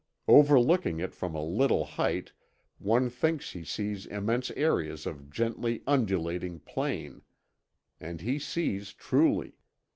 Overlooking it from a little height one thinks he sees immense areas of gently undulating plain; and he sees truly.